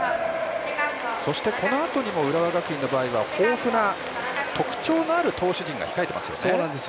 そして、このあとにも浦和学院の場合は豊富な特徴のあるピッチャー陣が控えていますよね。